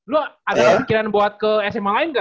lu ada pikiran buat ke sma lain ga